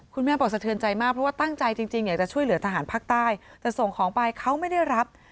คุณแม่บอกสะเทือนใจมากเพราะว่าตั้งใจจริงอยากจะช่วยเหลือทหารภาคใต้แต่ส่งของไปเขาไม่ได้รับ